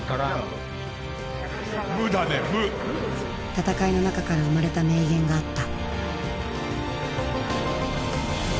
戦いの中から生まれた名言があった。